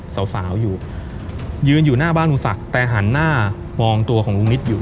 สาวสาวอยู่ยืนอยู่หน้าบ้านลุงศักดิ์แต่หันหน้ามองตัวของลุงนิดอยู่